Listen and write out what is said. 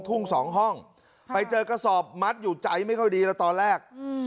ทุ่งสองห้องไปเจอกระสอบมัดอยู่ใจไม่ค่อยดีแล้วตอนแรก